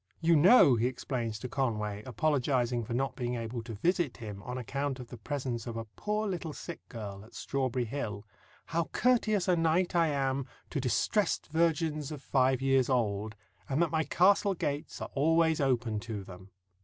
"You know," he explains to Conway, apologizing for not being able to visit him on account of the presence of a "poor little sick girl" at Strawberry Hill, "how courteous a knight I am to distrest virgins of five years old, and that my castle gates are always open to them."